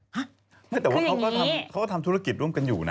ฮะคืออย่างนี้แต่ว่าเขาก็ทำธุรกิจร่วมกันอยู่นะ